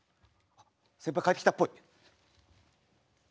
先輩帰ってきたっぽい。